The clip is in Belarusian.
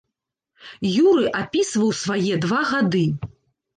Юры апісваў свае два гады.